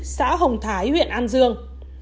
xã hồng thái huyện an dương